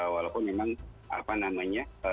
walaupun memang apa namanya